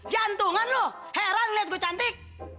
jantungan lu heran liat gua cantik